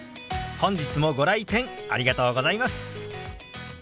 本日もご来店ありがとうございます。